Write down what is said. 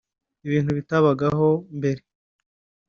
ibintu bitabagaho mbere”